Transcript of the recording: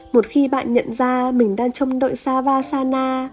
một khi bạn nhận ra mình đang trong đội savasana